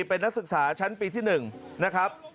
เป็นนักศึกษาชั้นปีที่๑นะครับ